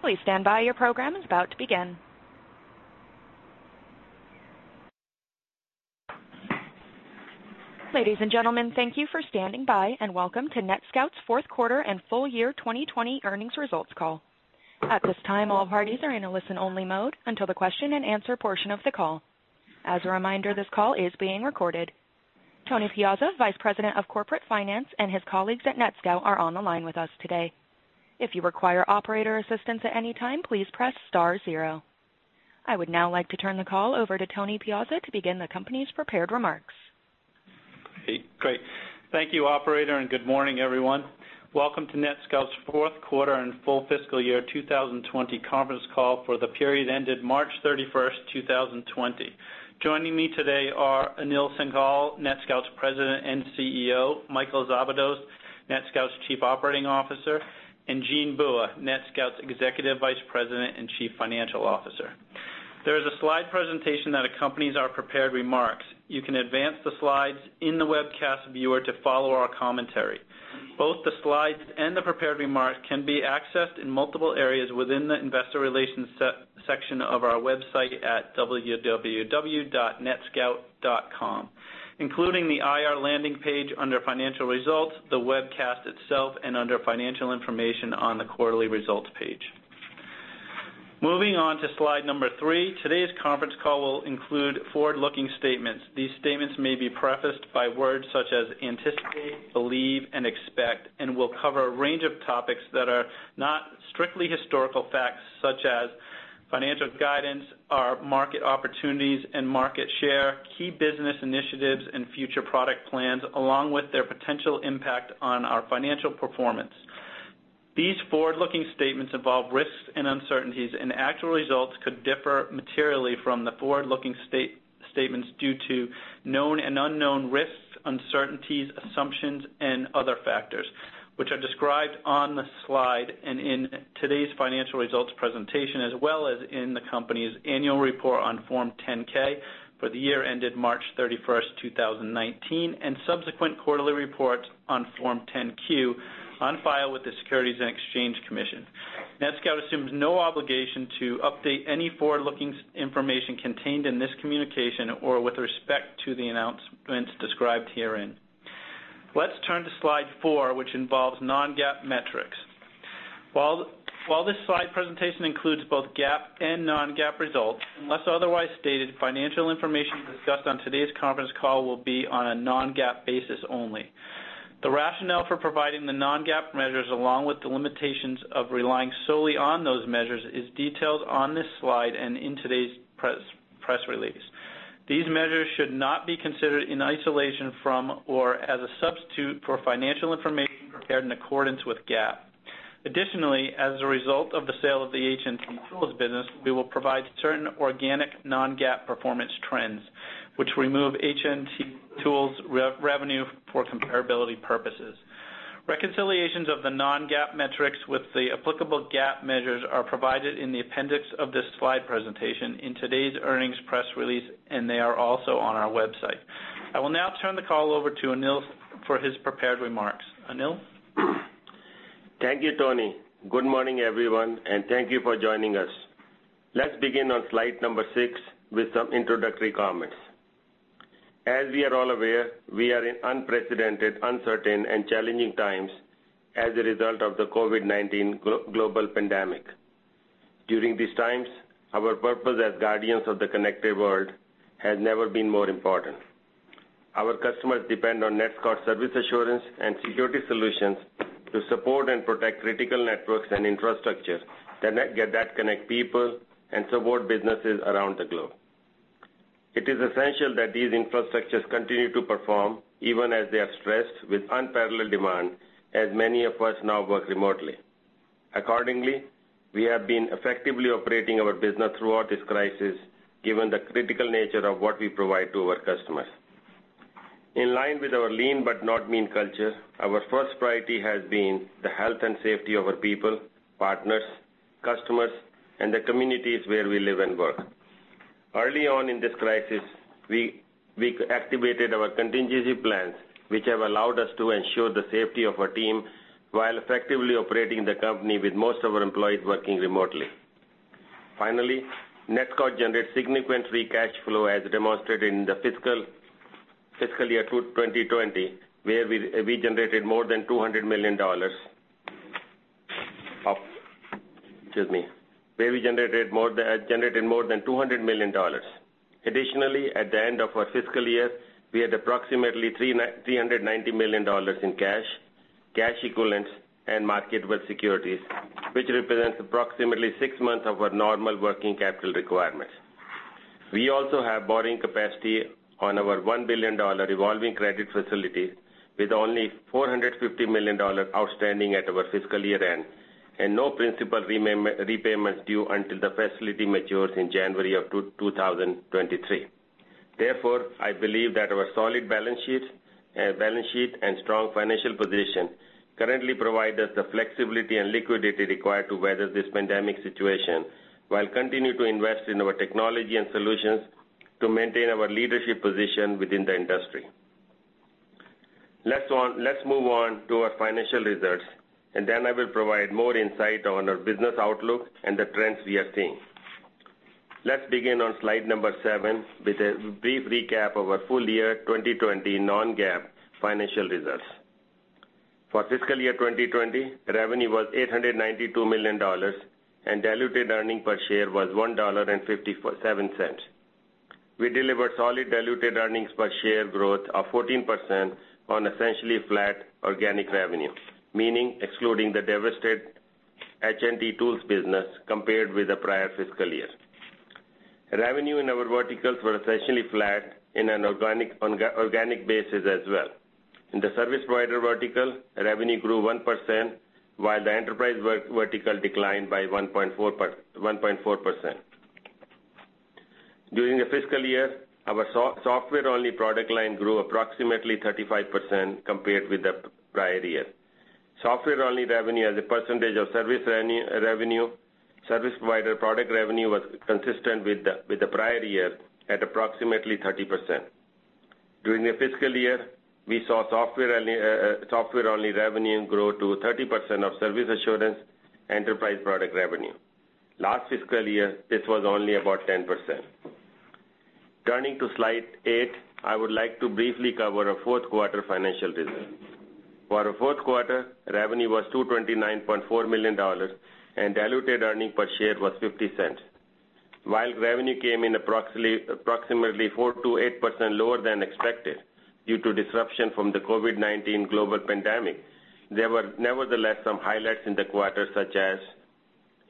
Please stand by. Your program is about to begin. Ladies and gentlemen, thank you for standing by, and welcome to NetScout's Fourth Quarter and Full-Year 2020 Earnings Results Call. At this time, all parties are in a listen-only mode until the question and answer portion of the call. As a reminder, this call is being recorded. Tony Piazza, Vice President of Corporate Finance, and his colleagues at NetScout are on the line with us today. If you require operator assistance at any time, please press star zero. I would now like to turn the call over to Tony Piazza to begin the company's prepared remarks. Great. Thank you, operator, and good morning, everyone. Welcome to NetScout's Fourth Quarter and Full Fiscal Year 2020 conference call for the period ended March 31st, 2020. Joining me today are Anil Singhal, NetScout's President and CEO, Michael Szabados, NetScout's Chief Operating Officer, and Jean Bua, NetScout's Executive Vice President and Chief Financial Officer. There is a slide presentation that accompanies our prepared remarks. You can advance the slides in the webcast viewer to follow our commentary. Both the slides and the prepared remarks can be accessed in multiple areas within the investor relations section of our website at www.netscout.com, including the IR landing page under Financial Results, the webcast itself, and under Financial Information on the quarterly results page. Moving on to slide number three, today's conference call will include forward-looking statements. These statements may be prefaced by words such as anticipate, believe, and expect, and will cover a range of topics that are not strictly historical facts, such as financial guidance, our market opportunities and market share, key business initiatives and future product plans, along with their potential impact on our financial performance. These forward-looking statements involve risks and uncertainties, and actual results could differ materially from the forward-looking statements due to known and unknown risks, uncertainties, assumptions, and other factors which are described on the slide and in today's financial results presentation, as well as in the company's annual report on Form 10-K for the year ended March 31st, 2019, and subsequent quarterly reports on Form 10-Q on file with the Securities and Exchange Commission. NetScout assumes no obligation to update any forward-looking information contained in this communication or with respect to the announcements described herein. Let's turn to slide four, which involves non-GAAP metrics. While this slide presentation includes both GAAP and non-GAAP results, unless otherwise stated, financial information discussed on today's conference call will be on a non-GAAP basis only. The rationale for providing the non-GAAP measures, along with the limitations of relying solely on those measures, is detailed on this slide and in today's press release. These measures should not be considered in isolation from or as a substitute for financial information prepared in accordance with GAAP. Additionally, as a result of the sale of the HNT Tools business, we will provide certain organic non-GAAP performance trends, which remove HNT Tools revenue for comparability purposes. Reconciliations of the non-GAAP metrics with the applicable GAAP measures are provided in the appendix of this slide presentation in today's earnings press release, and they are also on our website. I will now turn the call over to Anil for his prepared remarks. Anil? Thank you, Tony. Good morning, everyone, and thank you for joining us. Let's begin on slide number six with some introductory comments. As we are all aware, we are in unprecedented, uncertain, and challenging times as a result of the COVID-19 global pandemic. During these times, our purpose as guardians of the connected world has never been more important. Our customers depend on NetScout service assurance and security solutions to support and protect critical networks and infrastructures that connect people and support businesses around the globe. It is essential that these infrastructures continue to perform even as they are stressed with unparalleled demand, as many of us now work remotely. Accordingly, we have been effectively operating our business throughout this crisis, given the critical nature of what we provide to our customers. In line with our lean but not mean culture, our first priority has been the health and safety of our people, partners, customers, and the communities where we live and work. Early on in this crisis, we activated our contingency plans, which have allowed us to ensure the safety of our team while effectively operating the company with most of our employees working remotely. Finally, NetScout generates significant free cash flow, as demonstrated in the Fiscal Year 2020, where we generated more than $200 million. Additionally, at the end of our fiscal year, we had approximately $390 million in cash, cash equivalents, and marketable securities, which represents approximately six months of our normal working capital requirements. We also have borrowing capacity on our $1 billion revolving credit facility, with only $450 million outstanding at our fiscal year-end and no principal repayments due until the facility matures in January of 2023. Therefore, I believe that our solid balance sheet and strong financial position currently provide us the flexibility and liquidity required to weather this pandemic situation while continuing to invest in our technology and solutions to maintain our leadership position within the industry. Let's move on to our financial results, and then I will provide more insight on our business outlook and the trends we are seeing. Let's begin on slide number seven with a brief recap of our full year 2020 non-GAAP financial results. For Fiscal Year 2020, revenue was $892 million, and diluted earnings per share was $1.57. We delivered solid diluted earnings per share growth of 14% on essentially flat organic revenue, meaning excluding the divested HNT Tools business compared with the prior fiscal year. Revenue in our verticals were essentially flat in an organic basis as well. In the service provider vertical, the revenue grew 1%, while the enterprise vertical declined by 1.4%. During the fiscal year, our software-only product line grew approximately 35% compared with the prior year. Software-only revenue as a percentage of service revenue, service provider product revenue was consistent with the prior year at approximately 30%. During the fiscal year, we saw software-only revenue grow to 30% of service assurance enterprise product revenue. Last fiscal year, this was only about 10%. Turning to slide eight, I would like to briefly cover our fourth quarter financial business. For our fourth quarter, the revenue was $229.4 million, and diluted earnings per share was $0.50. While revenue came in approximately 4% to 8% lower than expected due to disruption from the COVID-19 global pandemic, there were nevertheless some highlights in the quarter, such as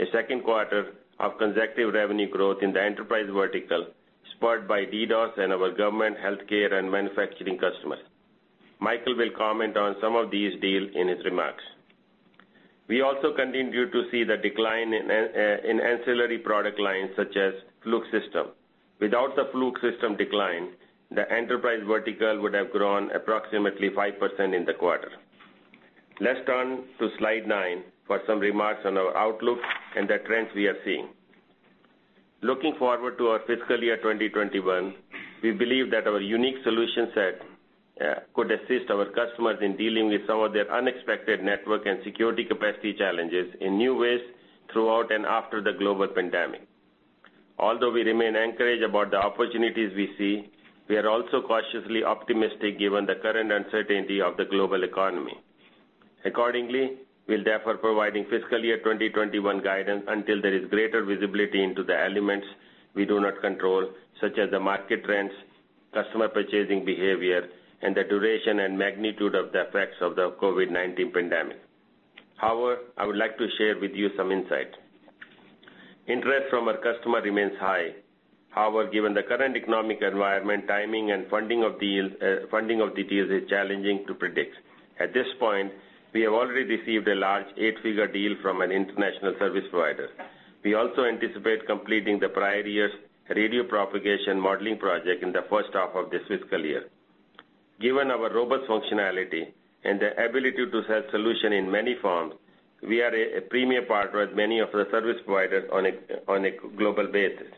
a second quarter of consecutive revenue growth in the enterprise vertical, spurred by DDoS and our government, healthcare, and manufacturing customers. Michael will comment on some of these deals in his remarks. We also continued to see the decline in ancillary product lines such as Fluke System. Without the Fluke System decline, the enterprise vertical would have grown approximately 5% in the quarter. Let's turn to slide nine for some remarks on our outlook and the trends we are seeing. Looking forward to our Fiscal Year 2021, we believe that our unique solution set could assist our customers in dealing with some of their unexpected network and security capacity challenges in new ways throughout and after the global pandemic. Although we remain encouraged about the opportunities we see, we are also cautiously optimistic given the current uncertainty of the global economy. Accordingly, we're therefore providing Fiscal Year 2021 guidance until there is greater visibility into the elements we do not control, such as the market trends, customer purchasing behavior, and the duration and magnitude of the effects of the COVID-19 pandemic. However, I would like to share with you some insight. Interest from our customer remains high. However, given the current economic environment, timing, and funding of deals is challenging to predict. At this point, we have already received a large eight-figure deal from an international service provider. We also anticipate completing the prior year's radio propagation modeling project in the first half of this fiscal year. Given our robust functionality and the ability to sell solution in many forms, we are a premier partner with many of the service providers on a global basis.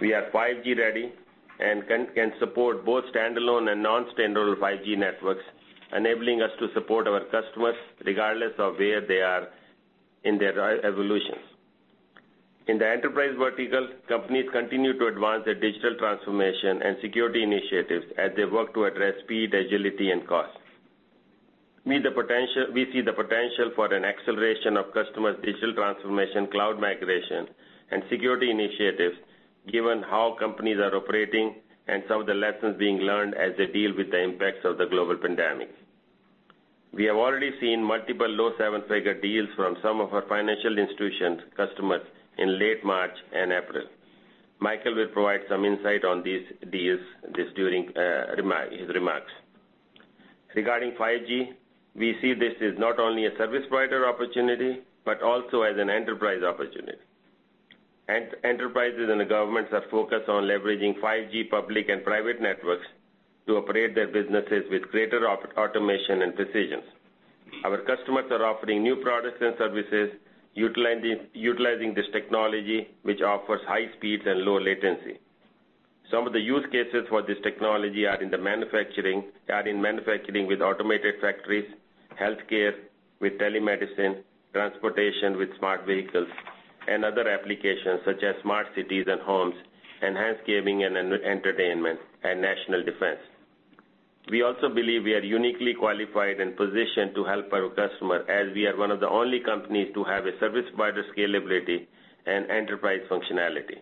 We are 5G ready and can support both standalone and non-standalone 5G networks, enabling us to support our customers regardless of where they are in their evolutions. In the enterprise vertical, companies continue to advance their digital transformation and security initiatives as they work to address speed, agility, and cost. We see the potential for an acceleration of customers' digital transformation, cloud migration, and security initiatives given how companies are operating and some of the lessons being learned as they deal with the impacts of the global pandemic. We have already seen multiple low seven-figure deals from some of our financial institutions customers in late March and April. Michael will provide some insight on these deals during his remarks. Regarding 5G, we see this as not only a service provider opportunity, but also as an enterprise opportunity. Enterprises and governments are focused on leveraging 5G public and private networks to operate their businesses with greater automation and precision. Our customers are offering new products and services utilizing this technology, which offers high speeds and low latency. Some of the use cases for this technology are in manufacturing with automated factories, healthcare with telemedicine, transportation with smart vehicles, and other applications such as smart cities and homes, enhanced gaming and entertainment, and national defense. We also believe we are uniquely qualified and positioned to help our customer, as we are one of the only companies to have a service provider scalability and enterprise functionality.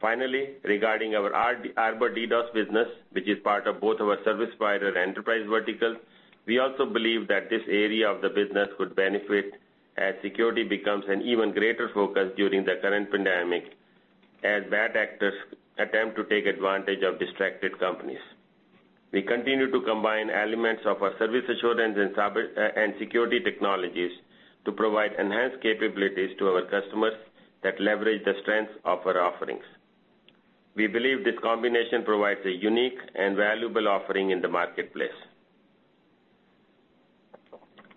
Finally, regarding our Arbor DDoS business, which is part of both our service provider and enterprise vertical, we also believe that this area of the business could benefit as security becomes an even greater focus during the current pandemic as bad actors attempt to take advantage of distracted companies. We continue to combine elements of our service assurance and security technologies to provide enhanced capabilities to our customers that leverage the strengths of our offerings. We believe this combination provides a unique and valuable offering in the marketplace.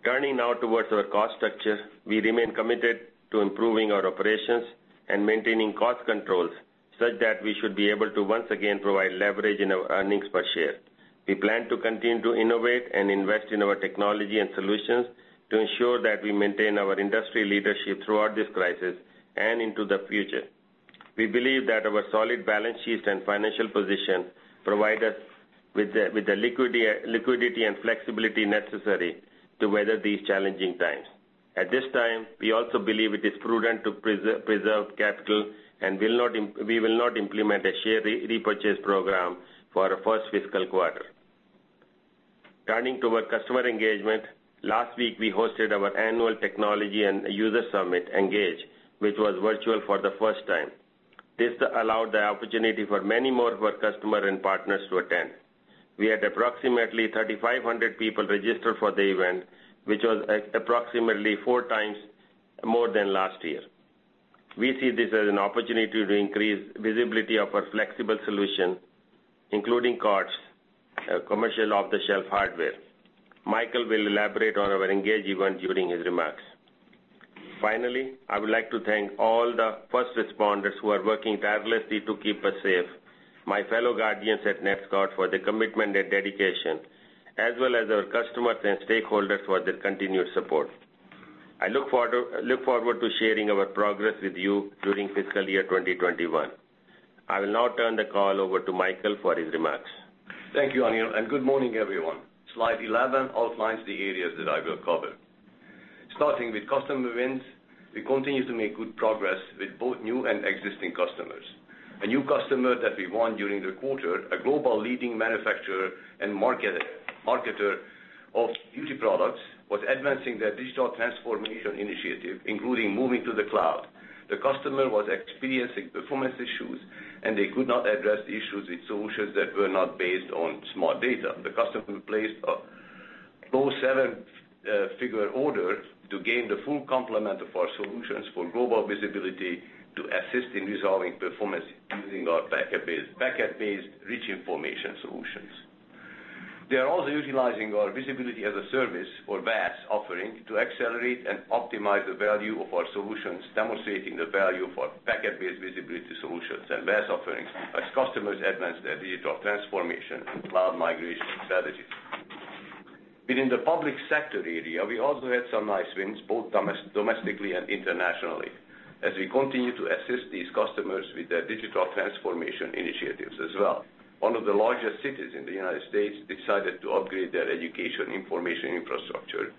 Turning now towards our cost structure, we remain committed to improving our operations and maintaining cost controls such that we should be able to once again provide leverage in our earnings per share. We plan to continue to innovate and invest in our technology and solutions to ensure that we maintain our industry leadership throughout this crisis and into the future. We believe that our solid balance sheet and financial position provide us with the liquidity and flexibility necessary to weather these challenging times. At this time, we also believe it is prudent to preserve capital, and we will not implement a share repurchase program for our first fiscal quarter. Turning to our customer engagement. Last week, we hosted our annual technology and user summit, ENGAGE, which was virtual for the first time. This allowed the opportunity for many more of our customer and partners to attend. We had approximately 3,500 people registered for the event, which was approximately four times more than last year. We see this as an opportunity to increase visibility of our flexible solution, including COTS, commercial off-the-shelf hardware. Michael will elaborate on our ENGAGE event during his remarks. Finally, I would like to thank all the first responders who are working tirelessly to keep us safe, my fellow guardians at NetScout for their commitment and dedication, as well as our customers and stakeholders for their continued support. I look forward to sharing our progress with you during Fiscal Year 2021. I will now turn the call over to Michael for his remarks. Thank you, Anil, and good morning, everyone. Slide 11 outlines the areas that I will cover. Starting with customer wins, we continue to make good progress with both new and existing customers. A new customer that we won during the quarter, a global leading manufacturer and marketer of beauty products, was advancing their digital transformation initiative, including moving to the cloud. The customer was experiencing performance issues, and they could not address issues with solutions that were not based on smart data. The customer placed a low seven-figure order to gain the full complement of our solutions for global visibility to assist in resolving performance using our packet-based rich information solutions. They are also utilizing our Visibility as a Service, or VaaS offering, to accelerate and optimize the value of our solutions, demonstrating the value for packet-based visibility solutions and VaaS offerings as customers advance their digital transformation and cloud migration strategies. Within the public sector area, we also had some nice wins, both domestically and internationally, as we continue to assist these customers with their digital transformation initiatives as well. One of the largest cities in the United States decided to upgrade their education information infrastructure.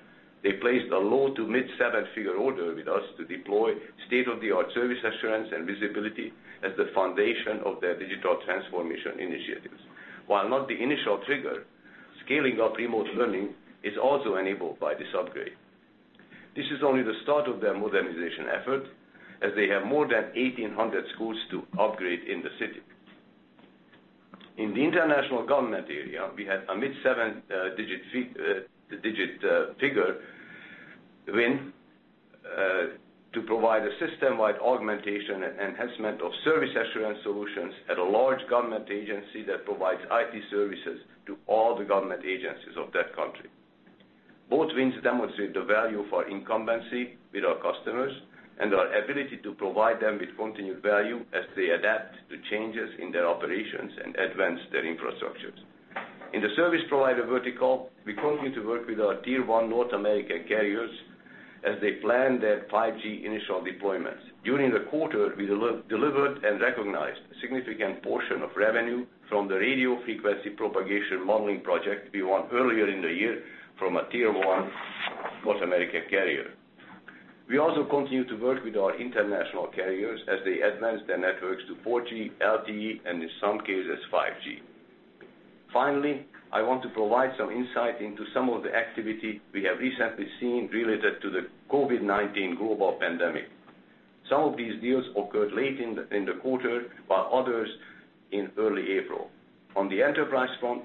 They placed a low to mid seven-figure order with us to deploy state-of-the-art service assurance and visibility as the foundation of their digital transformation initiatives. While not the initial trigger, scaling up remote learning is also enabled by this upgrade. This is only the start of their modernization effort, as they have more than 1,800 schools to upgrade in the city. In the international government area, we had a mid seven-digit figure win to provide a system-wide augmentation and enhancement of service assurance solutions at a large government agency that provides IT services to all the government agencies of that country. Both wins demonstrate the value for incumbency with our customers and our ability to provide them with continued value as they adapt to changes in their operations and advance their infrastructures. In the service provider vertical, we continue to work with our Tier 1 North American carriers as they plan their 5G initial deployments. During the quarter, we delivered and recognized a significant portion of revenue from the radio frequency propagation modeling project we won earlier in the year from a Tier 1 North American carrier. We also continue to work with our international carriers as they advance their networks to 4G, LTE, and in some cases, 5G. Finally, I want to provide some insight into some of the activity we have recently seen related to the COVID-19 global pandemic. Some of these deals occurred late in the quarter, while others in early April. On the enterprise front,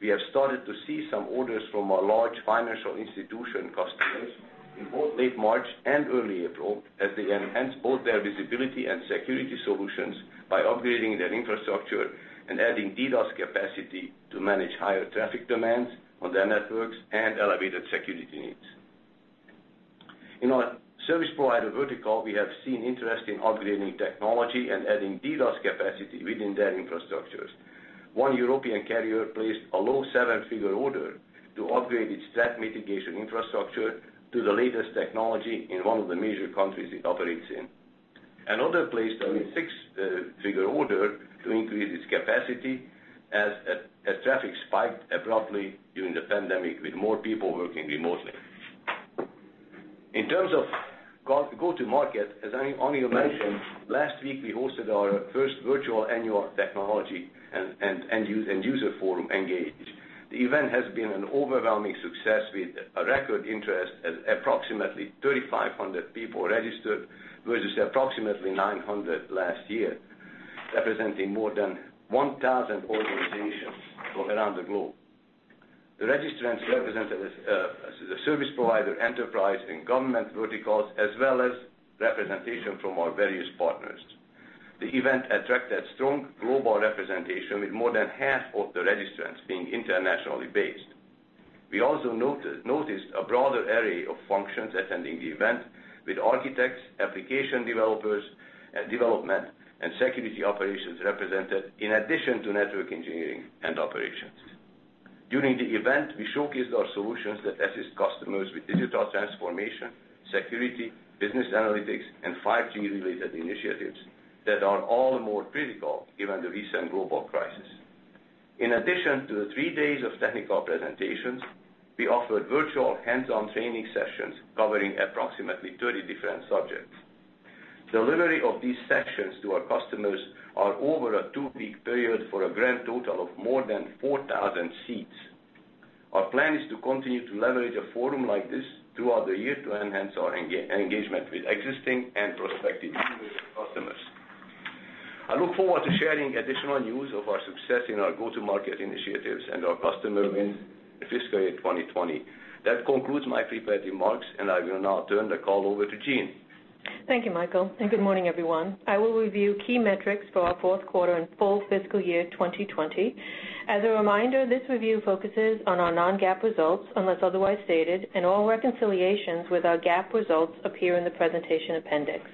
we have started to see some orders from our large financial institution customers in both late March and early April, as they enhance both their visibility and security solutions by upgrading their infrastructure and adding DDoS capacity to manage higher traffic demands on their networks and elevated security needs. In our service provider vertical, we have seen interest in upgrading technology and adding DDoS capacity within their infrastructures. One European carrier placed a low seven-figure order to upgrade its threat mitigation infrastructure to the latest technology in one of the major countries it operates in. Another placed a mid-six-figure order to increase its capacity as traffic spiked abruptly during the pandemic with more people working remotely. In terms of go-to-market, as Anil mentioned, last week, we hosted our first virtual annual technology and user forum, ENGAGE. The event has been an overwhelming success with a record interest at approximately 3,500 people registered versus approximately 900 last year, representing more than 1,000 organizations from around the globe. The registrants represented the service provider, enterprise, and government verticals, as well as representation from our various partners. The event attracted strong global representation with more than half of the registrants being internationally based. We also noticed a broader array of functions attending the event, with architects, application developers, development, and security operations represented in addition to network engineering and operations. During the event, we showcased our solutions that assist customers with digital transformation, security, business analytics, and 5G-related initiatives that are all the more critical given the recent global crisis. In addition to the three days of technical presentations, we offered virtual hands-on training sessions covering approximately 30 different subjects. Delivery of these sessions to our customers are over a two-week period for a grand total of more than 4,000 seats. Our plan is to continue to leverage a forum like this throughout the year to enhance our engagement with existing and prospective customers. I look forward to sharing additional news of our success in our go-to-market initiatives and our customers in Fiscal Year 2020. That concludes my prepared remarks, and I will now turn the call over to Jean. Thank you, Michael, and good morning, everyone. I will review key metrics for our fourth quarter and full Fiscal Year 2020. As a reminder, this review focuses on our non-GAAP results, unless otherwise stated, and all reconciliations with our GAAP results appear in the presentation appendix.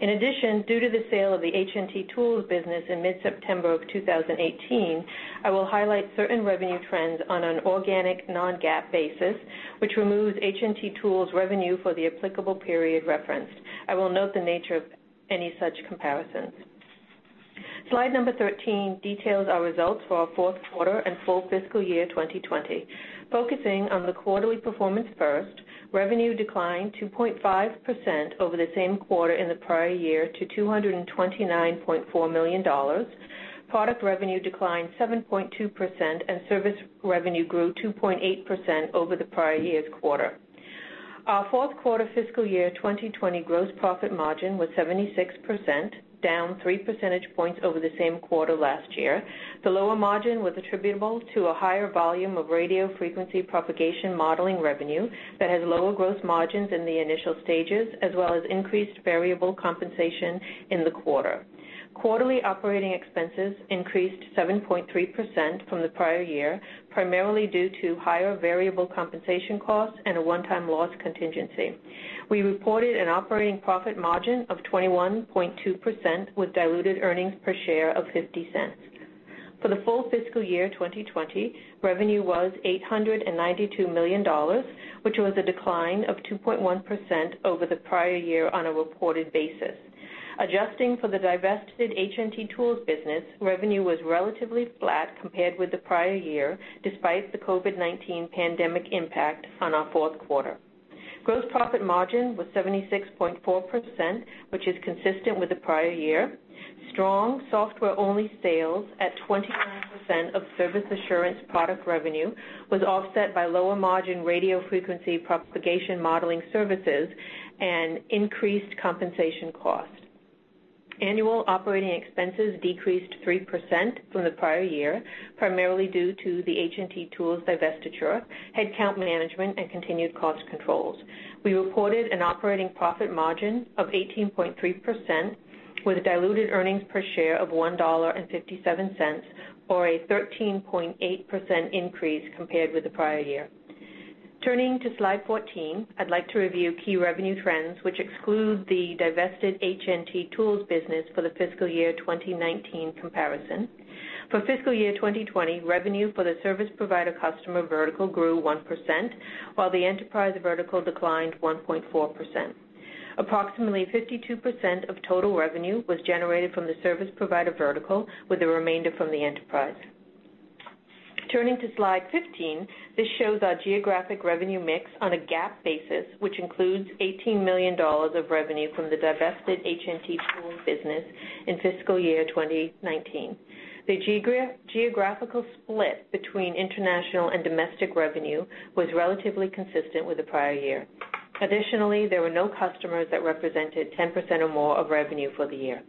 In addition, due to the sale of the HNT Tools business in mid-September of 2018, I will highlight certain revenue trends on an organic non-GAAP basis, which removes HNT Tools revenue for the applicable period referenced. I will note the nature of any such comparisons. Slide number 13 details our results for our fourth quarter and full Fiscal Year 2020. Focusing on the quarterly performance first, revenue declined 2.5% over the same quarter in the prior year to $229.4 million. Product revenue declined 7.2%, and service revenue grew 2.8% over the prior year's quarter. Our fourth quarter Fiscal Year 2020 gross profit margin was 76%, down three percentage points over the same quarter last year. The lower margin was attributable to a higher volume of radio frequency propagation modeling revenue that has lower gross margins in the initial stages, as well as increased variable compensation in the quarter. Quarterly operating expenses increased 7.3% from the prior year, primarily due to higher variable compensation costs and a one-time loss contingency. We reported an operating profit margin of 21.2%, with diluted earnings per share of $0.50. For the full Fiscal Year 2020, revenue was $892 million, which was a decline of 2.1% over the prior year on a reported basis. Adjusting for the divested HNT Tools business, revenue was relatively flat compared with the prior year, despite the COVID-19 pandemic impact on our fourth quarter. Gross profit margin was 76.4%, which is consistent with the prior year. Strong software-only sales at 29% of service assurance product revenue was offset by lower-margin radio frequency propagation modeling services and increased compensation costs. Annual operating expenses decreased 3% from the prior year, primarily due to the HNT Tools divestiture, headcount management, and continued cost controls. We reported an operating profit margin of 18.3%, with a diluted earnings per share of $1.57, or a 13.8% increase compared with the prior year. Turning to slide 14, I'd like to review key revenue trends, which exclude the divested HNT Tools business for the Fiscal Year 2019 comparison. For Fiscal Year 2020, revenue for the service provider customer vertical grew 1%, while the enterprise vertical declined 1.4%. Approximately 52% of total revenue was generated from the service provider vertical, with the remainder from the enterprise. Turning to slide 15, this shows our geographic revenue mix on a GAAP basis, which includes $18 million of revenue from the divested HNT Tools business in Fiscal Year 2019. The geographical split between international and domestic revenue was relatively consistent with the prior year. Additionally, there were no customers that represented 10% or more of revenue for the year.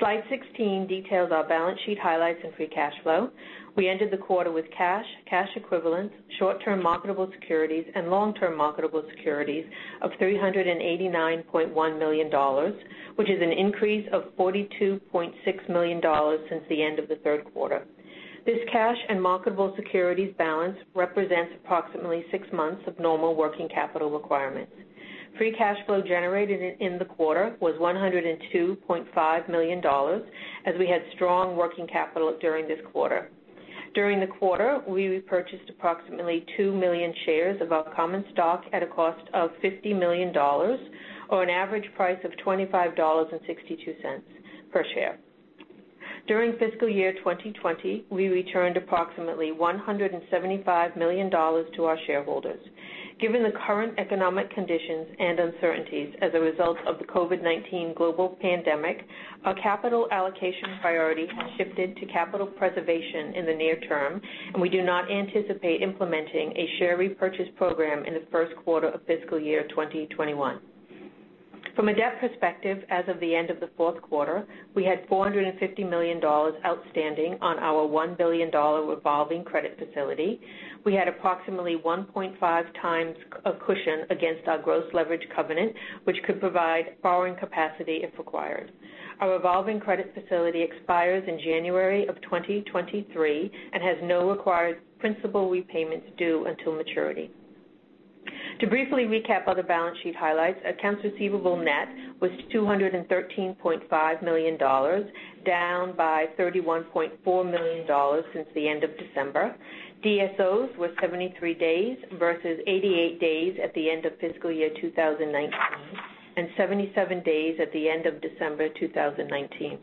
Slide 16 details our balance sheet highlights and free cash flow. We ended the quarter with cash, cash equivalents, short-term marketable securities, and long-term marketable securities of $389.1 million, which is an increase of $42.6 million since the end of the third quarter. This cash and marketable securities balance represents approximately six months of normal working capital requirements. Free cash flow generated in the quarter was $102.5 million, as we had strong working capital during this quarter. During the quarter, we repurchased approximately 2 million shares of our common stock at a cost of $50 million, or an average price of $25.62 per share. During Fiscal Year 2020, we returned approximately $175 million to our shareholders. Given the current economic conditions and uncertainties as a result of the COVID-19 global pandemic, our capital allocation priority has shifted to capital preservation in the near term, and we do not anticipate implementing a share repurchase program in the first quarter of Fiscal Year 2021. From a debt perspective, as of the end of the fourth quarter, we had $450 million outstanding on our $1 billion revolving credit facility. We had approximately 1.5x a cushion against our gross leverage covenant, which could provide borrowing capacity if required. Our revolving credit facility expires in January of 2023 and has no required principal repayments due until maturity. To briefly recap other balance sheet highlights, accounts receivable net was $213.5 million, down by $31.4 million since the end of December. DSOs were 73 days versus 88 days at the end of Fiscal Year 2019, and 77 days at the end of December 2019.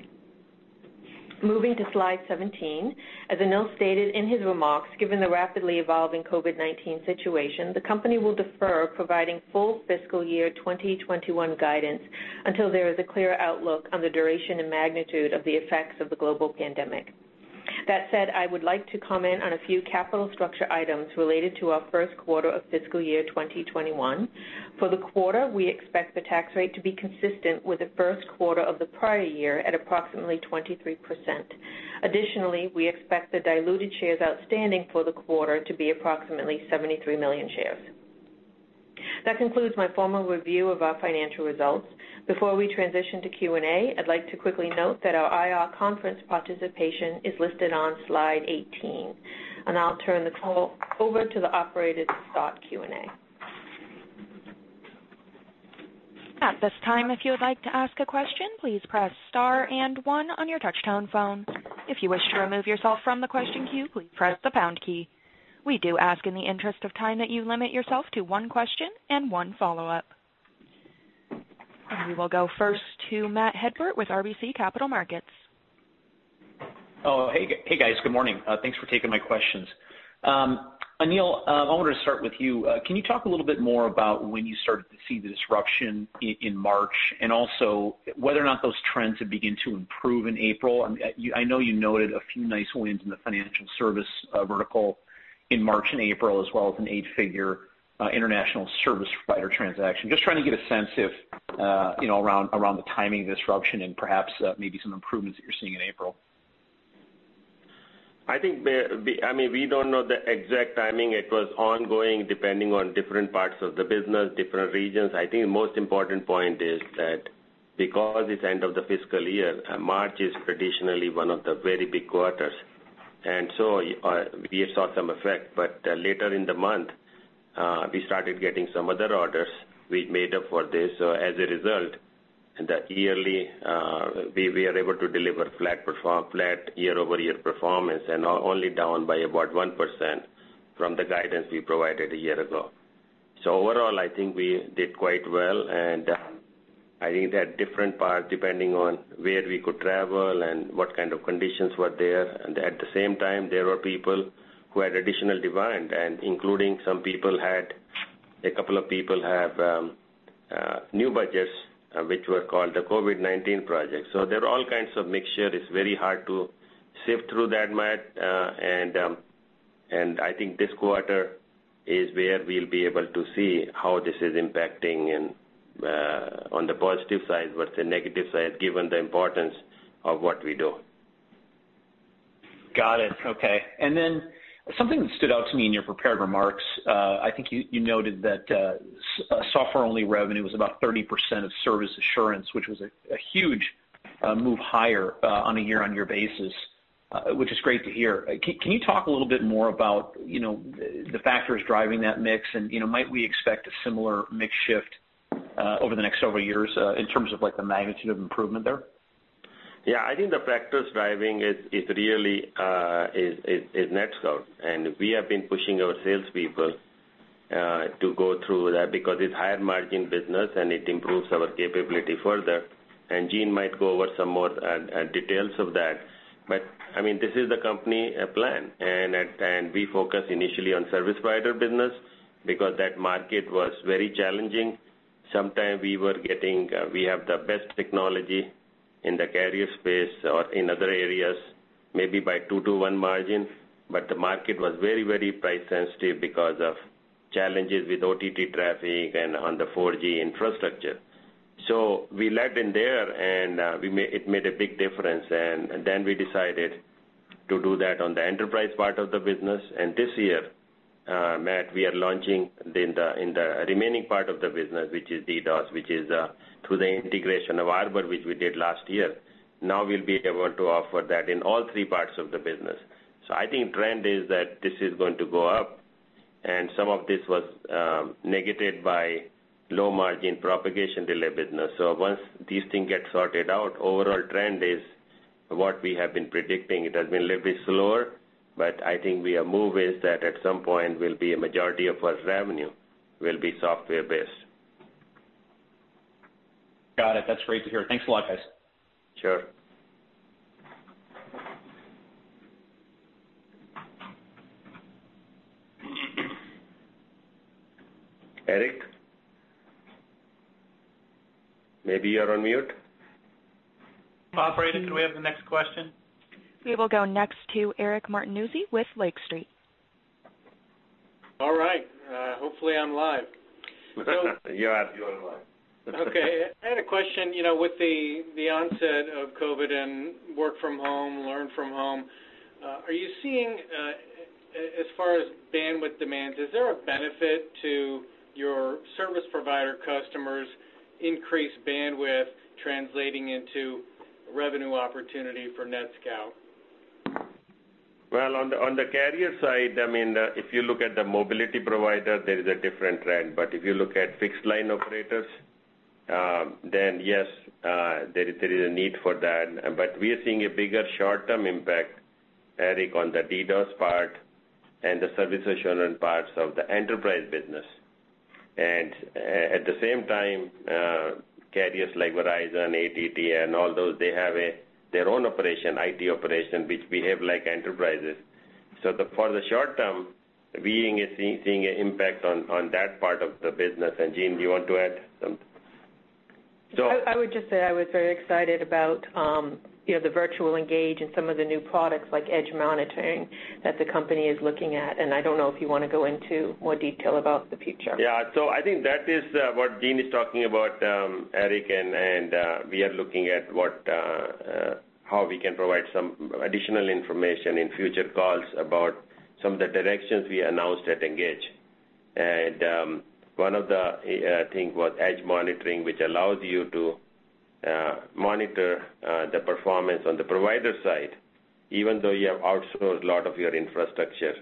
Moving to slide 17. As Anil stated in his remarks, given the rapidly evolving COVID-19 situation, the company will defer providing full Fiscal Year 2021 guidance until there is a clear outlook on the duration and magnitude of the effects of the global pandemic. With that said, I would like to comment on a few capital structure items related to our first quarter of Fiscal Year 2021. For the quarter, we expect the tax rate to be consistent with the first quarter of the prior year at approximately 23%. Additionally, we expect the diluted shares outstanding for the quarter to be approximately 73 million shares. That concludes my formal review of our financial results. Before we transition to Q&A, I'd like to quickly note that our IR conference participation is listed on slide 18. I'll turn the call over to the operator to start Q&A. At this time, if you would like to ask a question, please press star and one on your touch tone phone. If you wish to remove yourself from the question queue, please press the pound key. We do ask in the interest of time that you limit yourself to one question and one follow-up. We will go first to Matt Hedberg with RBC Capital Markets. Oh, hey guys, good morning. Thanks for taking my questions. Anil, I wanted to start with you. Can you talk a little bit more about when you started to see the disruption in March, and also whether or not those trends have begin to improve in April? I know you noted a few nice wins in the financial service vertical in March and April, as well as an eight-figure international service provider transaction. I'm just trying to get a sense around the timing of disruption and perhaps maybe some improvements that you're seeing in April. We don't know the exact timing. It was ongoing depending on different parts of the business, different regions. I think the most important point is that because it's end of the fiscal year, March is traditionally one of the very big quarters, and so we saw some effect. Later in the month, we started getting some other orders. We made up for this, so as a result, we are able to deliver flat year-over-year performance, and only down by about 1% from the guidance we provided a year ago. Overall, I think we did quite well, and I think there are different parts depending on where we could travel and what kind of conditions were there. At the same time, there were people who had additional demand, and including a couple of people have new budgets, which were called the COVID-19 projects. There are all kinds of mixture. It's very hard to sift through that, Matt, and I think this quarter is where we'll be able to see how this is impacting and on the positive side versus the negative side, given the importance of what we do. Got it, okay, and then something that stood out to me in your prepared remarks, I think you noted that software-only revenue was about 30% of service assurance, which was a huge move higher on a year-over-year basis, which is great to hear. Can you talk a little bit more about, you know, the factors driving that mix and might we expect a similar mix shift over the next several years in terms of the magnitude of improvement there? Yeah, I think the factors driving is really is NetScout. We have been pushing our sales people to go through that because it's higher margin business and it improves our capability further. Jean might go over some more details of that. This is the company plan and we focus initially on service provider business because that market was very challenging. We have the best technology in the carrier space or in other areas, maybe by two to one margin, but the market was very price sensitive because of challenges with OTT traffic and on the 4G infrastructure. We lagged in there, and it made a big difference, and then we decided to do that on the enterprise part of the business. This year, Matt, we are launching in the remaining part of the business, which is DDoS, which is through the integration of Arbor, which we did last year. Now we'll be able to offer that in all three parts of the business. I think trend is that this is going to go up, and some of this was negated by low margin propagation delay business. Once this thing gets sorted out, overall trend is what we have been predicting. It has been a little bit slower, but I think we are moving so that at some point will be a majority of our revenue will be software based. Got it, that's great to hear. Thanks a lot, guys. Sure. Eric, maybe you're on mute. Operator, do we have the next question? We will go next to Eric Martinuzzi with Lake Street. All right. Hopefully I'm live. Yeah, you are live. Okay. I had a question. With the onset of COVID and work from home, learn from home, are you seeing, as far as bandwidth demands, is there a benefit to your service provider customers increase bandwidth translating into revenue opportunity for NetScout? Well, on the carrier side, if you look at the mobility provider, there is a different trend, but if you look at fixed line operators, then yes, there is a need for that. We are seeing a bigger short-term impact, Eric, on the DDoS part and the service assurance parts of the enterprise business. At the same time, carriers like Verizon, AT&T and all those, they have their own operation, IT operation, which behave like enterprises. For the short term, we are seeing an impact on that part of the business, and Jean, do you want to add something? I would just say I was very excited about the virtual ENGAGE and some of the new products like Edge Monitoring that the company is looking at. I don't know if you want to go into more detail about the future. Yeah. I think that is what Jean is talking about, Eric, we are looking at how we can provide some additional information in future calls about some of the directions we announced at ENGAGE. One of the things was Edge Monitoring, which allows you to monitor the performance on the provider side, even though you have outsourced a lot of your infrastructure.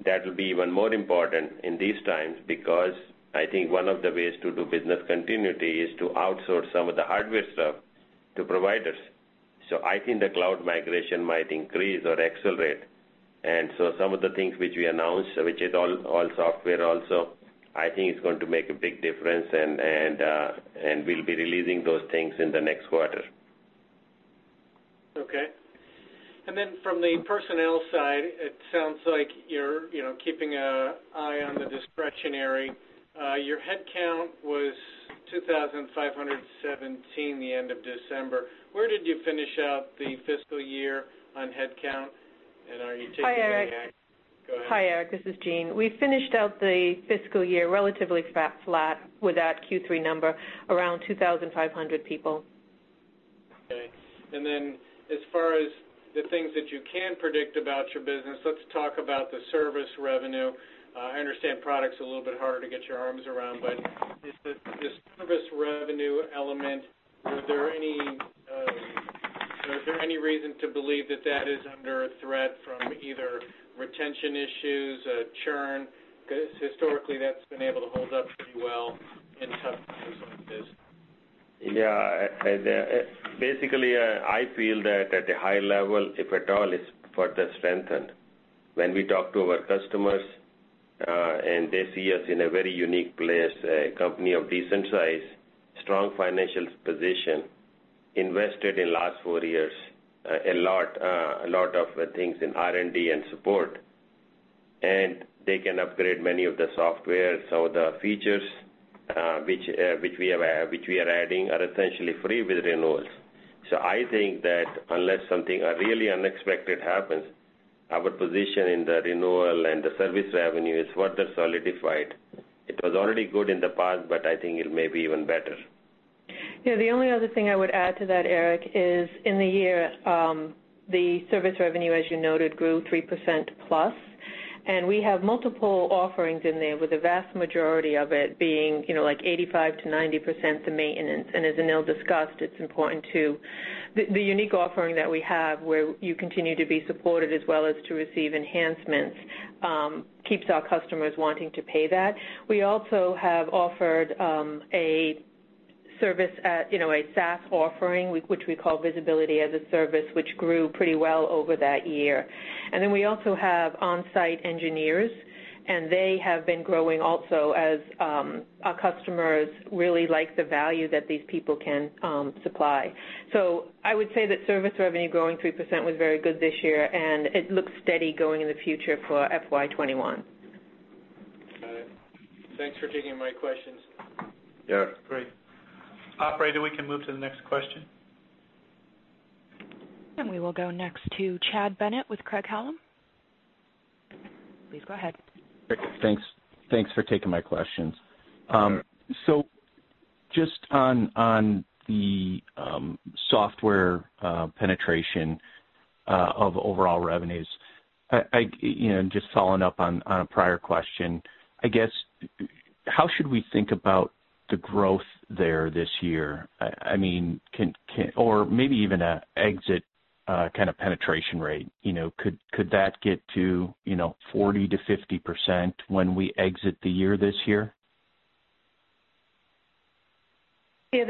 That will be even more important in these times because I think one of the ways to do business continuity is to outsource some of the hardware stuff to providers. I think the cloud migration might increase or accelerate. Some of the things which we announced, which is all software also, I think it's going to make a big difference, and we'll be releasing those things in the next quarter. Okay, and then from the personnel side, it sounds like you're keeping an eye on the discretionary. Your headcount was 2,517 the end of December. Where did you finish out the fiscal year on headcount and are you taking any action? Hi, Eric. Go ahead. Hi, Eric, this is Jean. We finished out the fiscal year relatively flat with that Q3 number around 2,500 people. Okay, and then as far as the things that you can predict about your business, let's talk about the service revenue. I understand product's a little bit harder to get your arms around, but the service revenue element, is there any reason to believe that that is under a threat from either retention issues, churn? Historically, that's been able to hold up pretty well in tough times like this. I feel that at a high level, if at all, it's further strengthened. When we talk to our customers, and they see us in a very unique place, a company of decent size, strong financial position, invested in last four years, a lot of things in R&D and support, and they can upgrade many of the software. The features, which we are adding are essentially free with renewals. I think that unless something really unexpected happens, our position in the renewal and the service revenue is further solidified. It was already good in the past, I think it may be even better. Yeah, the only other thing I would add to that, Eric, is in the year, the service revenue, as you noted, grew 3%+, and we have multiple offerings in there with the vast majority of it being, you know, like 85% to 90%, the maintenance. As Anil discussed, it's important. The unique offering that we have where you continue to be supported as well as to receive enhancements keeps our customers wanting to pay that. We also have offered a service, you know, a SaaS offering, which we call Visibility as a Service, which grew pretty well over that year. We also have onsite engineers and they have been growing also as our customers really like the value that these people can supply. I would say that service revenue growing 3% was very good this year, and it looks steady going in the future for FY 2021. All right. Thanks for taking my questions. Yeah, great. Operator, we can move to the next question. We will go next to Chad Bennett with Craig-Hallum. Please go ahead. Thanks for taking my questions. Yeah. Just on the software penetration of overall revenues and, you know, just following up on a prior question. I guess, how should we think about the growth there this year, or maybe even an exit kind of penetration rate? Could that get to 40% to 50% when we exit the year this year? Yeah.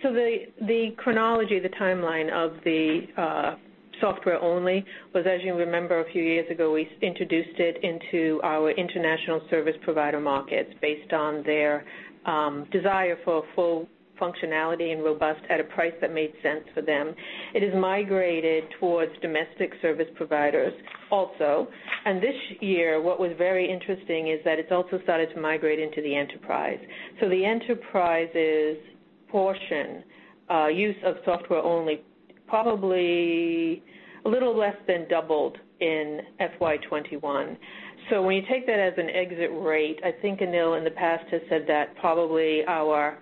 The chronology, the timeline of the software only was, as you remember a few years ago, we introduced it into our international service provider markets based on their desire for a full functionality and robust at a price that made sense for them. It has migrated towards domestic service providers also and this year, what was very interesting is that it's also started to migrate into the enterprise. The enterprise's portion use of software only probably a little less than doubled in FY 2021. When you take that as an exit rate, I think Anil in the past has said that probably our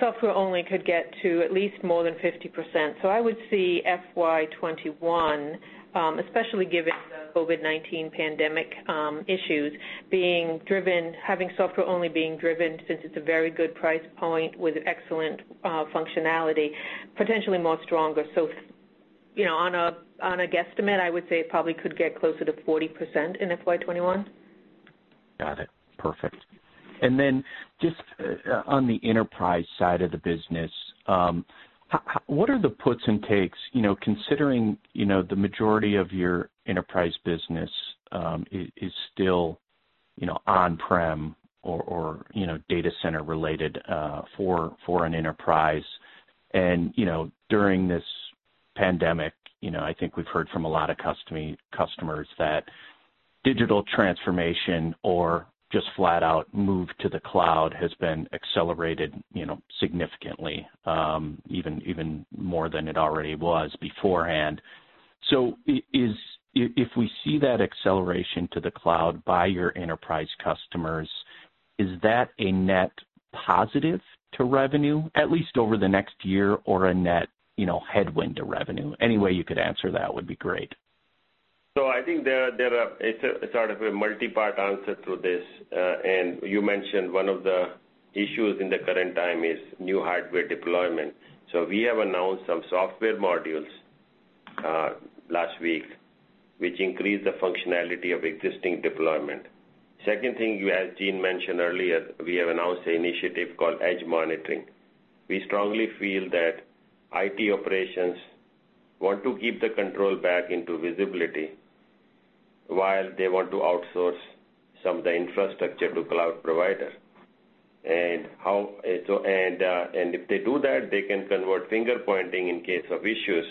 software only could get to at least more than 50%. I would see FY 2021, especially given the COVID-19 pandemic issues, having software only being driven, since it's a very good price point with excellent functionality, potentially more stronger. On a guesstimate, I would say it probably could get closer to 40% in FY 2021. Got it, perfect, and then just on the enterprise side of the business, what are the puts and takes, considering, you know, the majority of your enterprise business is still on-prem or data center related, for an enterprise. During this pandemic, you know, I think we've heard from a lot of customers that digital transformation or just flat out move to the cloud has been accelerated, you know, significantly, even more than it already was beforehand. If we see that acceleration to the cloud by your enterprise customers, is that a net positive to revenue, at least over the next year, or a net, you know, headwind to revenue? Any way you could answer that would be great. I think it's a multi-part answer to this. You mentioned one of the issues in the current time is new hardware deployment, so we have announced some software modules last week, which increase the functionality of existing deployment. Second thing as Jean mentioned earlier, we have announced the initiative called Edge Monitoring. We strongly feel that IT operations want to keep the control back into visibility while they want to outsource some of the infrastructure to cloud provider. If they do that, they can convert finger-pointing in case of issues,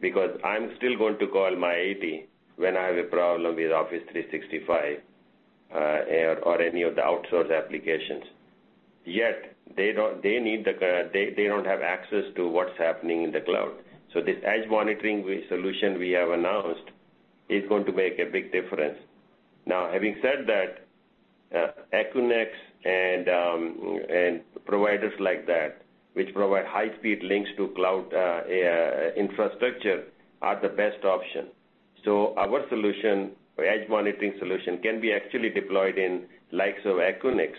because I'm still going to call my IT when I have a problem with Office 365 or any of the outsource applications. Yet, they don't have access to what's happening in the cloud. This Edge Monitoring solution we have announced is going to make a big difference. Now, having said that, Equinix and providers like that, which provide high-speed links to cloud infrastructure, are the best option. Our Edge Monitoring solution can be actually deployed in likes of Equinix,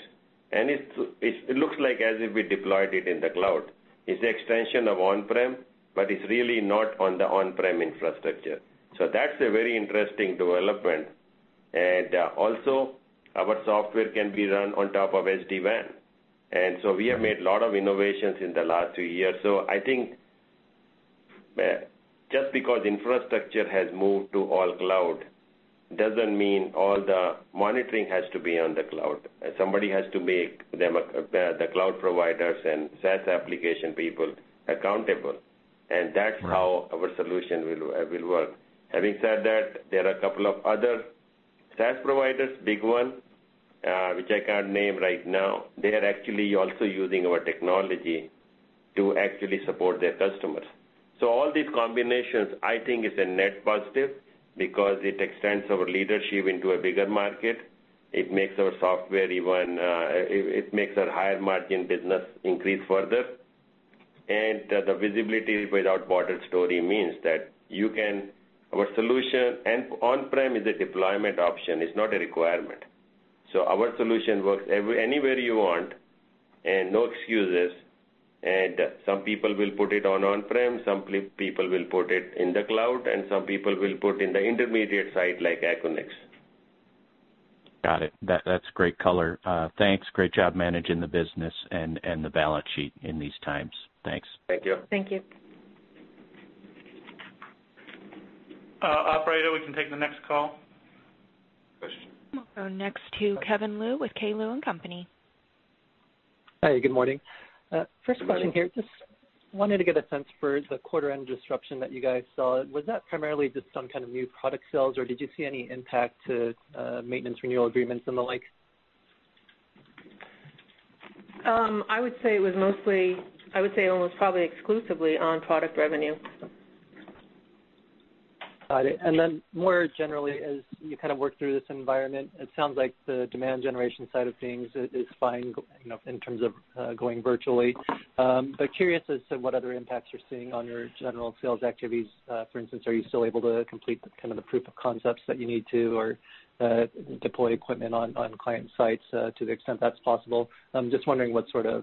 and it looks like as if we deployed it in the cloud. It's the extension of on-prem, but it's really not on the on-prem infrastructure, so that's a very interesting development. Also, our software can be run on top of SD-WAN. We have made a lot of innovations in the last two years. I think just because infrastructure has moved to all cloud, it doesn't mean all the monitoring has to be on the cloud. Somebody has to make the cloud providers and SaaS application people accountable, and that's how our solution will work. Having said that, there are a couple of other SaaS providers, big one, which I can't name right now. They are actually also using our technology to actually support their customers. All these combinations, I think is a net positive because it extends our leadership into a bigger market. It makes our higher margin business increase further. The Visibility Without Borders story means that our solution and on-prem is a deployment option, it's not a requirement. Our solution works anywhere you want and no excuses. Some people will put it on-prem, some people will put it in the cloud, and some people will put in the intermediate site like Equinix. Got it, that's great color. Thanks. Great job managing the business and the balance sheet in these times. Thanks. Thank you. Thank you. Operator, we can take the next call. We'll go next to Kevin Liu with K. Liu & Company. Hi, good morning. First question here, I just wanted to get a sense for the quarter end disruption that you guys saw. Was that primarily just some kind of new product sales, or did you see any impact to maintenance renewal agreements and the like? I would say it was mostly, I would say almost probably exclusively on product revenue. Got it and then more generally, as you work through this environment, it sounds like the demand generation side of things is fine, you know, in terms of going virtually, but curious as to what other impacts you're seeing on your general sales activities. For instance, are you still able to complete the proof of concepts that you need to or deploy equipment on client sites to the extent that's possible? I'm just wondering what parts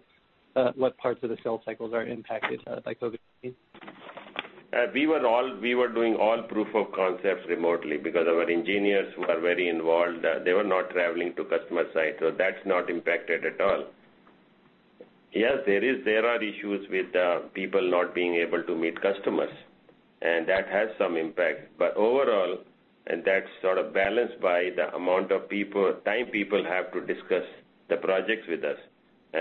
of the sales cycles are impacted by COVID-19. We were doing all proof of concepts remotely because our engineers who are very involved, they were not traveling to customer site, so that's not impacted at all. Yes, there are issues with people not being able to meet customers, and that has some impact. Overall, and that's balanced by the amount of time people have to discuss the projects with us.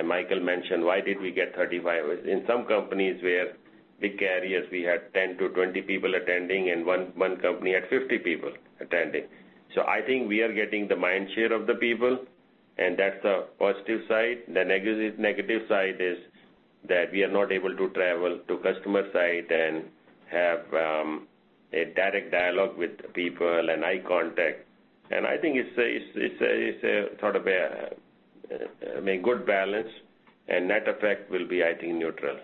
Michael mentioned, why did we get 35? In some companies where big carriers, we had 10 to 20 people attending, and one company had 50 people attending. I think we are getting the mind share of the people. That's the positive side. The negative side is that we are not able to travel to customer site and have a direct dialogue with people and eye contact. I think it's sort of a good balance, and net effect will be, I think, neutral.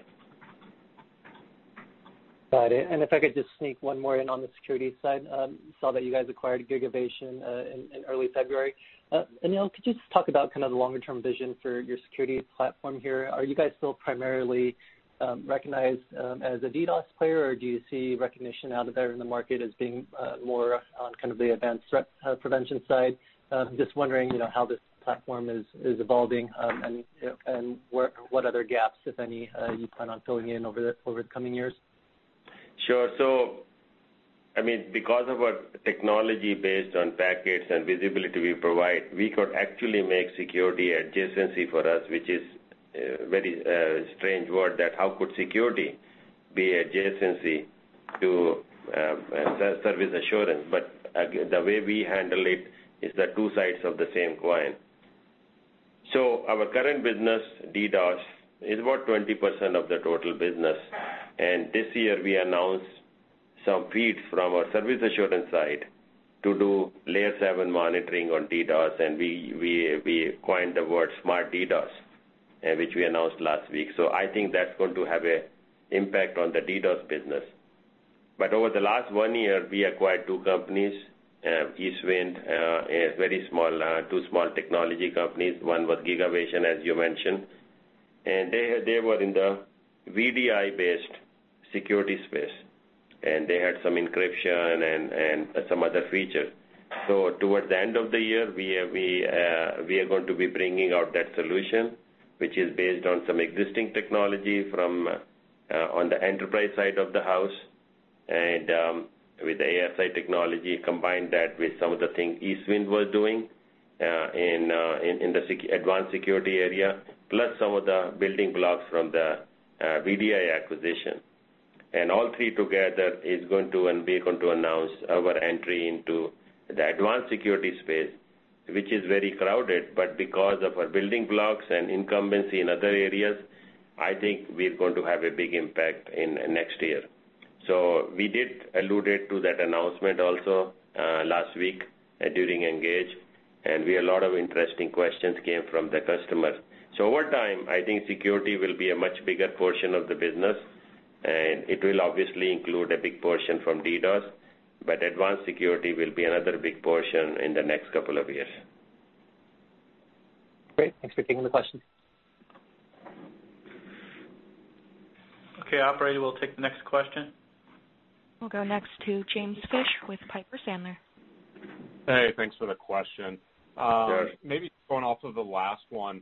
Got it and if I could just sneak one more in on the security side. Saw that you guys acquired Gigavation in early February. Anil, could you just talk about the longer-term vision for your security platform here? Are you guys still primarily recognized as a DDoS player, or do you see recognition out there in the market as being more on the advanced threat prevention side? I'm just wondering, you know, how this platform is evolving, and what other gaps, if any, you plan on filling in over the coming years. Sure, so because of our technology based on packets and visibility we provide, we could actually make security adjacency for us, which is very strange word that how could security be adjacency to service assurance? The way we handle it is the two sides of the same coin. Our current business, DDoS, is about 20% of the total business. This year we announced some feeds from our service assurance side to do Layer 7 monitoring on DDoS, and we coined the word Smart DDoS, which we announced last week. I think that's going to have a impact on the DDoS business. Over the last one year, we acquired two companies, Eastwind, two small technology companies. One was Gigavation, as you mentioned. They were in the VDI-based security space, and they had some encryption and some other features. Towards the end of the year, we are going to be bringing out that solution, which is based on some existing technology from on the enterprise side of the house and, with the ASI technology, combine that with some of the things Eastwind was doing, in the advanced security area, plus some of the building blocks from the VDI acquisition, and all three together, we're going to announce our entry into the advanced security space, which is very crowded, but because of our building blocks and incumbency in other areas, I think we're going to have a big impact in next year. We did allude to that announcement also, last week, during ENGAGE, and we had a lot of interesting questions came from the customers. Over time, I think security will be a much bigger portion of the business, and it will obviously include a big portion from DDoS, but advanced security will be another big portion in the next couple of years. Great. Thanks for taking the question. Okay, operator, we'll take the next question. We'll go next to James Fish with Piper Sandler. Hey, thanks for the question. Sure. Maybe going off of the last one,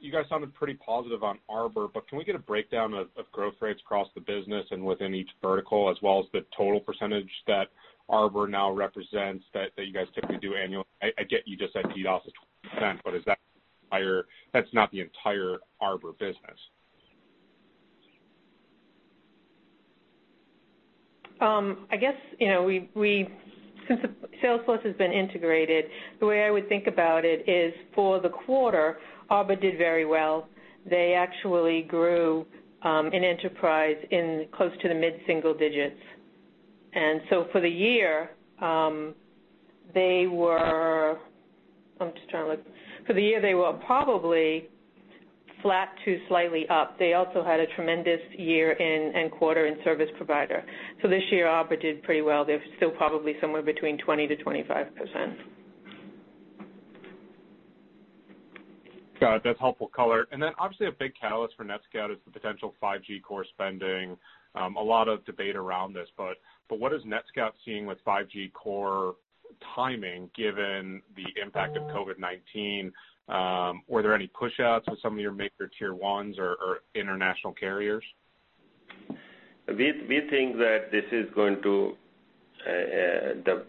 you guys sounded pretty positive on Arbor, but can we get a breakdown of growth rates across the business and within each vertical, as well as the total percentage that Arbor now represents that you guys typically do annual. I get you just said DDoS is 20%, but that's not the entire Arbor business. I guess, you know, since the sales force has been integrated, the way I would think about it is for the quarter, Arbor did very well. They actually grew, in enterprise in close to the mid-single digits, and so for the year, I'm just trying to look. For the year, they were probably flat to slightly up. They also had a tremendous year and quarter in service provider. This year, Arbor did pretty well. They're still probably somewhere between 20% to 25%. Got it, that's helpful color and, obviously, a big catalyst for NetScout is the potential 5G core spending. A lot of debate around this, what is NetScout seeing with 5G core timing given the impact of COVID-19? Were there any pushouts with some of your major tier 1s or international carriers? We think that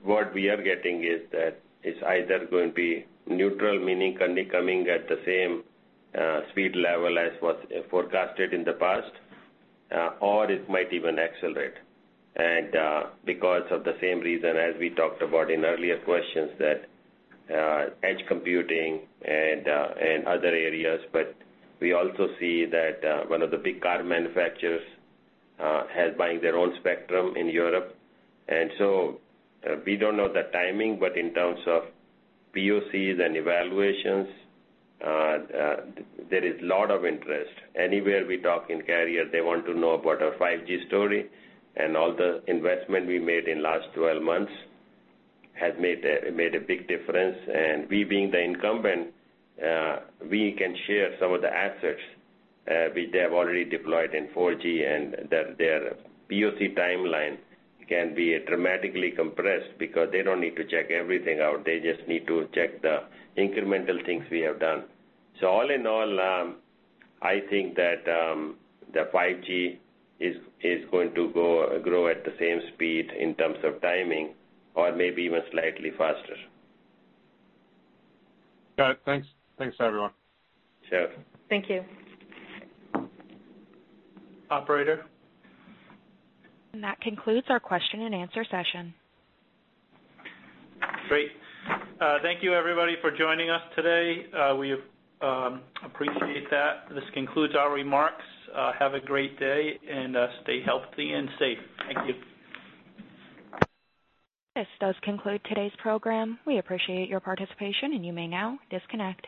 what we are getting is that it's either going to be neutral, meaning only coming at the same speed level as was forecasted in the past, or it might even accelerate because of the same reason as we talked about in earlier questions, that Edge computing and other areas, but we also see that one of the big car manufacturers has buying their own spectrum in Europe. We don't know the timing, but in terms of POCs and evaluations, there is lot of interest. Anywhere we talk in carrier, they want to know about our 5G story and all the investment we made in last 12 months has made a big difference. We being the incumbent, we can share some of the assets which they have already deployed in 4G and that their POC timeline can be dramatically compressed because they don't need to check everything out. They just need to check the incremental things we have done. All in all, I think that the 5G is going to grow at the same speed in terms of timing or maybe even slightly faster. Got it. Thanks. Thanks, everyone. Sure. Thank you. Operator? That concludes our question and answer session. Great. Thank you everybody for joining us today. We appreciate that and this concludes our remarks. Have a great day and stay healthy and safe. Thank you. This does conclude today's program. We appreciate your participation and you may now disconnect.